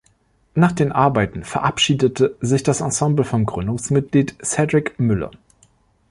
Nach den Arbeiten verabschiedete sich das Ensemble vom Gründungsmitglied Cedric Müller.